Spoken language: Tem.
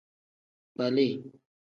Kpali.